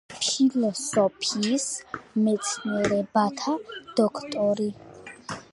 ფილოსოფიის მეცნიერებათა დოქტორი.